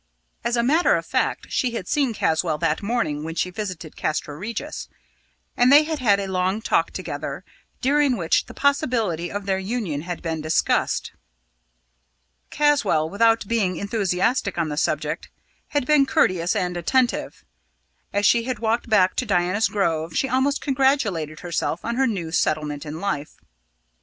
As a matter of fact, she had seen Caswall that morning when she visited Castra Regis, and they had had a long talk together, during which the possibility of their union had been discussed. Caswall, without being enthusiastic on the subject, had been courteous and attentive; as she had walked back to Diana's Grove, she almost congratulated herself on her new settlement in life.